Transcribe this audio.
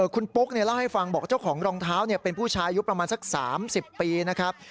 คุณปุ๊กเล่าให้ฟังบอกเจ้าของรองเท้าเป็นผู้ชายอายุประมาณสัก๓๐ปีนะครับ